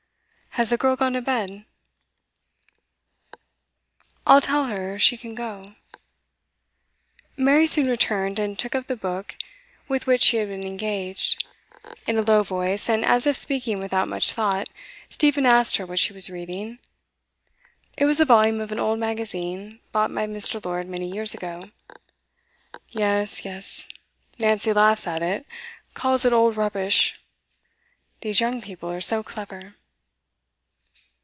'Has the girl gone to bed?' 'I'll tell her she can go.' Mary soon returned, and took up the book with which she had been engaged. In a low voice, and as if speaking without much thought, Stephen asked her what she was reading. It was a volume of an old magazine, bought by Mr. Lord many years ago. 'Yes, yes. Nancy laughs at it calls it old rubbish. These young people are so clever.